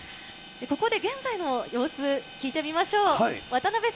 ここで現在の様子、聞いてみましょう。